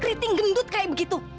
kretik gendut kayak begitu